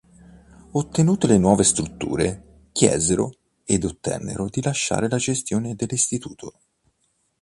Ottenute le nuove strutture, chiesero ed ottennero di lasciare la gestione dell'Istituto.